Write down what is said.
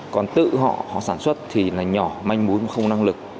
còn tự họ sản xuất thì nhỏ manh mũi không năng lực